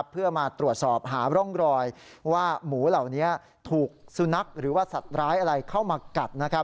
เพื่อมาตรวจสอบหาร่องรอยว่าหมูเหล่านี้ถูกสุนัขหรือว่าสัตว์ร้ายอะไรเข้ามากัด